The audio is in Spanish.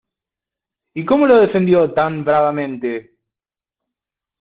¿ y cómo le defendió tan bravamente?